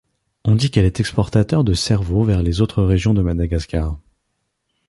On dit qu'elle est exportateur de cerveaux vers les autres régions de Madagascar.